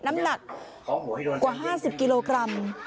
น้ำหนักกว่า๕๐กิโลกรัม